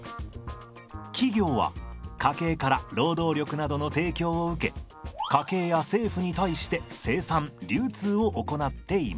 企業は家計から労働力などの提供を受け家計や政府に対して生産流通を行っています。